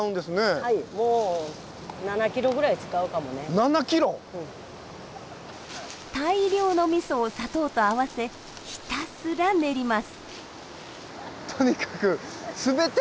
７ｋｇ⁉大量のみそを砂糖と合わせひたすら練ります。